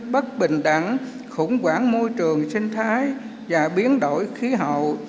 bất bình đẳng khủng quản môi trường sinh thái và biến đổi khí hậu